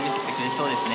そうですね。